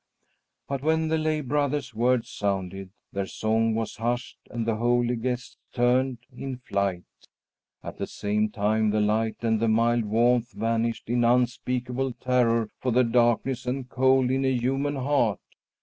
But when the lay brother's words sounded, their song was hushed and the holy guests turned in flight. At the same time the light and the mild warmth vanished in unspeakable terror for the darkness and cold in a human heart.